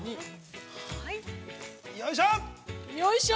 ◆よいしょ！